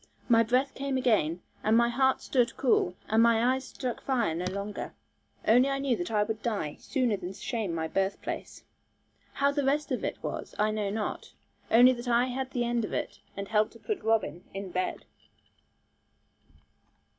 My breath came again, and my heart stood cool, and my eyes struck fire no longer. Only I knew that I would die sooner than shame my birthplace. How the rest of it was I know not; only that I had the end of it, and helped to put Robin in bed.